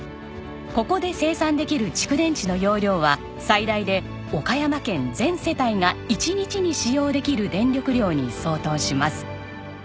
ここで生産できる蓄電池の容量は最大で岡山県全世帯が１日に使用できる電力量に相当します。